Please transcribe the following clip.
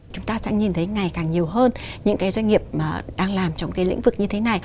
chúng ta sẽ nhìn thấy ngày càng nhiều hơn những cái doanh nghiệp mà đang làm trong cái lĩnh vực như thế này